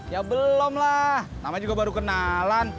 ya belum lah namanya juga baru kenalan